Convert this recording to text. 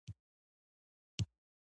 ټوکې د ټولنې هندارې او د حکمت چینې دي.